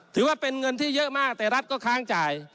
ถือว่าเป็นเงินที่เยอะมากแต่รัฐก็ค้างจ่าย